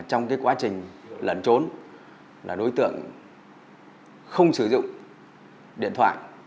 trong quá trình lẩn trốn là đối tượng không sử dụng điện thoại